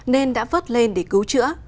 nên đã vớt lên để cứu chữa